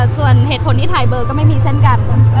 ส่วนเหตุผลที่ถ่ายเบอร์ก็ไม่มีเช่นกัน